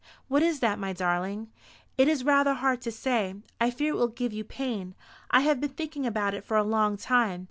"What is that, my darling?" "It is rather hard to say. I fear it will give you pain. I have been thinking about it for a long time.